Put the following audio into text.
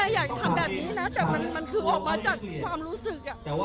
อย่างนี้แล้วพ่อเขาก็จะร้อน